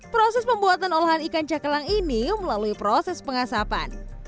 proses pembuatan olahan ikan cakelang ini melalui proses pengasapan